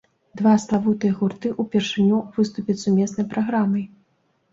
Два славутыя гурты ўпершыню выступяць з сумеснай праграмай.